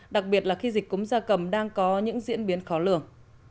đặc biệt là khi dịch cúng da cầm đang có những diễn biến khó lường